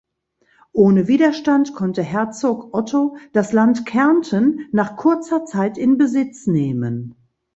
Ohne Widerstand konnte Herzog Otto das Land Kärnten nach kurzer Zeit in Besitz nehmen.